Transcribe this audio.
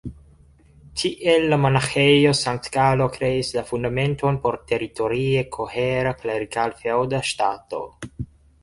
Tiel la Monaĥejo Sankt-Galo kreis la fundamenton por teritorie kohera klerikal-feŭda ŝtato.